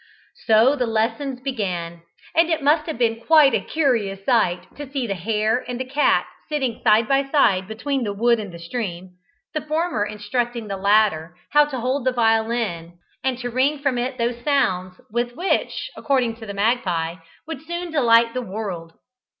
So the lessons began, and it must have been a curious sight to see the hare and the cat sitting side by side between the wood and the stream, the former instructing the latter how to hold the violin and to wring from it those sounds with which, according to the magpie, she would soon delight the world.